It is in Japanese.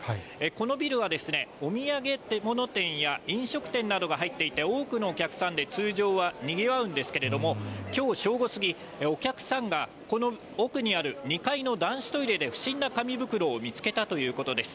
このビルは、お土産物店や飲食店などが入っていて、多くのお客さんで通常はにぎわうんですけれども、きょう正午過ぎ、お客さんがこの奥にある２階の男子トイレで不審な紙袋を見つけたということです。